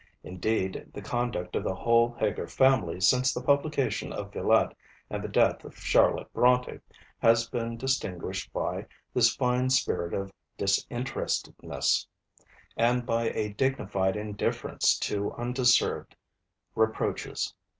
Indeed, the conduct of the whole Heger family since the publication of Villette, and the death of Charlotte Brontë, has been distinguished by this fine spirit of disinterestedness; and by a dignified indifference to undeserved reproaches.